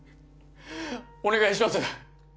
お願いします